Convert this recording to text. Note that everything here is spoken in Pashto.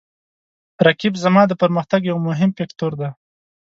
رقیب زما د پرمختګ یو مهم فکتور دی